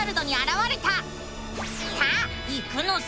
さあ行くのさ！